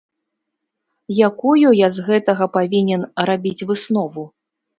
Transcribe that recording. Якую я з гэтага павінен рабіць выснову?